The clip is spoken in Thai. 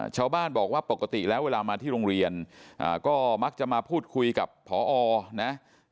ชาวบ้านบอกว่าปกติแล้วเวลามาที่โรงเรียนก็มักจะมาพูดคุยกับพอนะ